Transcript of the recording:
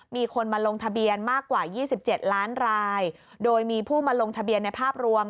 มีคนมาลงทะเบียนมากกว่า๒๗ล้านรายโดยมีผู้มาลงทะเบียนในภาพรวม